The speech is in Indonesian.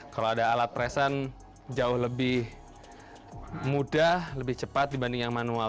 kalau ada alat presen jauh lebih mudah lebih cepat dibanding yang manual